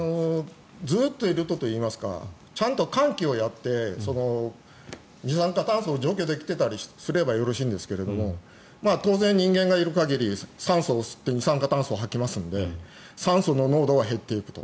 ずっといるとといいますかちゃんと換気をやって二酸化炭素を除去できていればいいんですが当然、人間がいる限り酸素を吸って二酸化炭素を吐きますので酸素の濃度は減っていくと。